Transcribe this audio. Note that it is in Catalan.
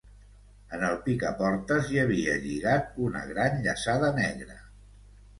En el picaportes hi havia lligat una gran llaçada negra.